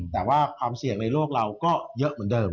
แต่ว่าความเสี่ยงในโลกเราก็เยอะเหมือนเดิม